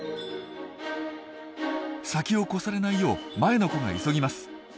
先を越されないよう前の子が急ぎます。